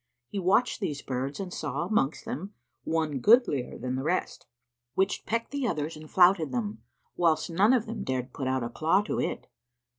He watched these birds and saw, amongst them, one goodlier than the rest, which pecked the others and flouted them, whilst none of them dared put out a claw to it.